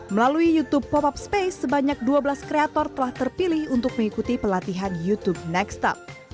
melalui youtube pop up space sebanyak dua belas kreator telah terpilih untuk mengikuti pelatihan youtube next top